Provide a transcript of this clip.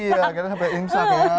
iya kita sampai imsak ya